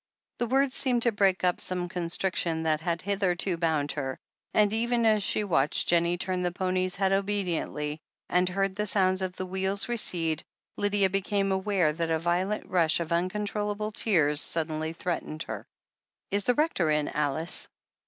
The words seemed to break up some constriction that had hitherto bound her, and even as she watched Jennie turn the pony's head obediently, and heard the sound of THE HEEL PF ACHILLES 467 the wheels recede, Lydia became aware that a violent rush of uncontrollable tears suddenly threatened her. "Is the Rector in, Alice?"